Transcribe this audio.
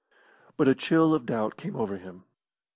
But a chill of doubt came over him.